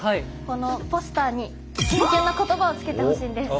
このポスターにキュンキュンな言葉をつけてほしいんです。